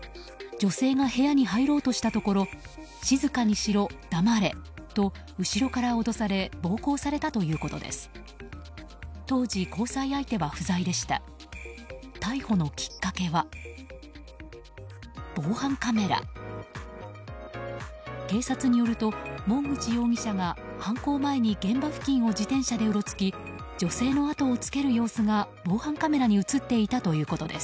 女性が部屋に入ろうとしたところ静かにしろ、黙れと後ろから脅され暴行されたということです。